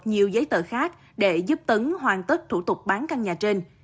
nhiều giấy tờ khác để giúp tấn hoàn tất thủ tục bán căn nhà trên